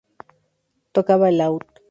Tocaba el laúd.